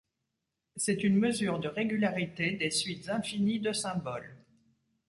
C'est une mesure de régularité des suites infinies de symboles.